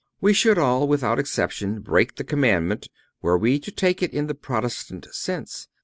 We should all, without exception, break the commandment were we to take it in the Protestant sense.